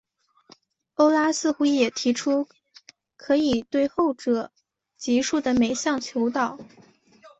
欧拉似乎也提出可以对后者级数的每项求导。